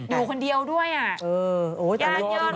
อยู่คนเดียวด้วยอ่ะ